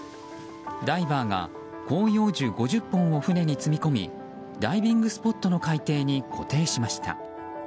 ダイバーが広葉樹５０本を船に積み込みダイビングスポットの海底に固定しました。